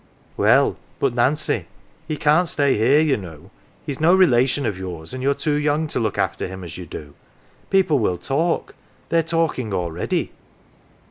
" Well, but Nancy, he can't stay here, you know. He's no relation of yours and you are too young to look after him as you do. People will talk they are talking already."